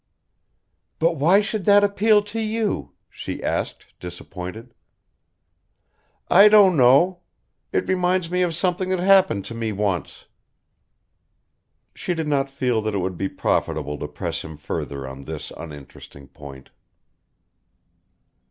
"But why should that appeal to you?" she asked, disappointed. "I don't know. It reminds me of something that happened to me once." She did not feel that it would be profitable to press him further on this uninteresting point.